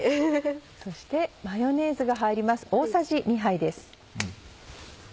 そしてマヨネーズが入ります。